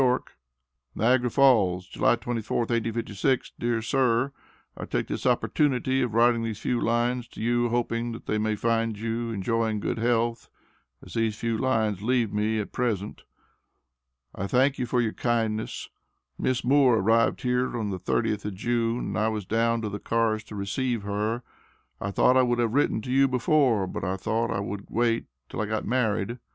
Y. NIAGARA FALLS, July 24th, 1856. DEAR SIR: I take this opportunity of writing these few lines to you hoping that they may find you enjoying good health as these few lines leave me at present. I thank you for your kindness. Miss Moore arrived here on the 30th of June and I was down to the cars to receive her. I thought I would have written to you before, but I thought I would wait till I got married.